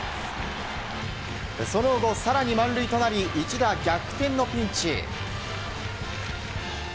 その後、更に満塁となり一打逆転のピンチ。